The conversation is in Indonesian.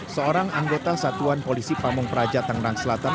seorang anggota satuan polisi pamung praja tangerang selatan